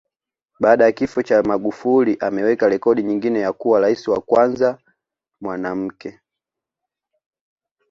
Baada ya kifo cha Magufuli ameweka rekodi nyingine ya kuwa Rais wa kwanza mwanamke